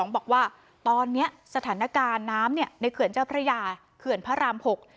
บอกว่าตอนนี้สถานการณ์น้ำในเขื่อนเจ้าพระยาเกินภรรามภก